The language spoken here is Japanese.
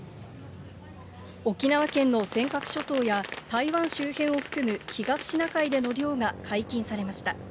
沖縄県の尖閣諸島や台湾周辺を含む東シナ海での漁が解禁されました。